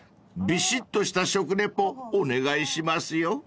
びしっとした食リポお願いしますよ］